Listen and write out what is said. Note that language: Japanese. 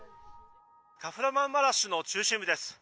カフラマンマラシュの中心部です。